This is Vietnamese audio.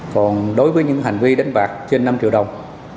còn đối với những hành vi đánh bạc trên năm triệu đồng